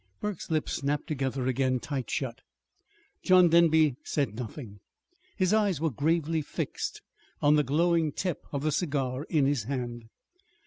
Burke's lips snapped together again tight shut. John Denby said nothing. His eyes were gravely fixed on the glowing tip of the cigar in his hand.